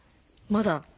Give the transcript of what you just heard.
まだ？